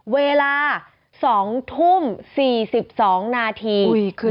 เวลา๒ทุ่ม๔๒นาที